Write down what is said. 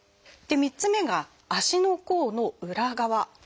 で３つ目が足の甲の裏側。